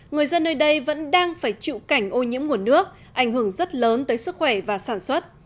người dân nơi đây vẫn đang phải chịu cảnh ô nhiễm nguồn nước ảnh hưởng rất lớn tới sức khỏe và sản xuất